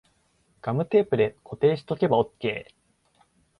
ガムテープで固定しとけばオッケー